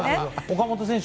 岡本選手